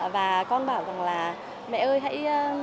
và con bảo rằng là mẹ ơi hãy